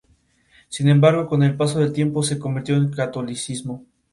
El general Franco se encontraba todavía recuperándose de su enfermedad cuando recibió la noticia.